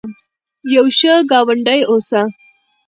یو ښه ګاونډي اوسه